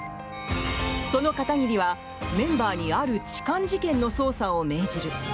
その片桐は、メンバーにある痴漢事件の捜査を命じる。